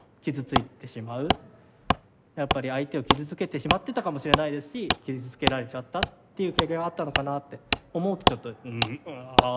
やっぱり相手を傷つけてしまってたかもしれないですし傷つけられちゃったっていう経験があったのかなって思うとちょっとああそうだよねって。